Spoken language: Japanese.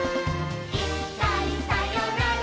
「いっかいさよなら